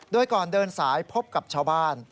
โดยก่อนเดินสายพบกับชาวบ้าน